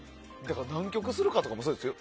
何曲するかとかもそうですよ。